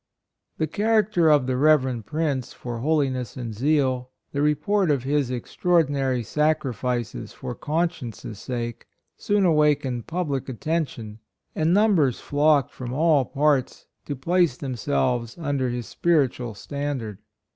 HE character of the Rev. Prince for holi ^ ness and zeal, the report of his extraordinary sac rifices for conscience's sake, soon awakened public attention ; and numbers flocked from all parts to place themselves under his spiri tual standard.